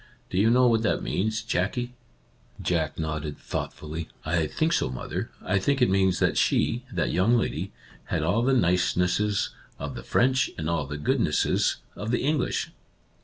Do you know what that means, Jackie ?" Jack nodded, thoughtfully. " I think so, mother. I think it means that she — that young lady — had all the nicenesses of the French and all the goodnesses of the English."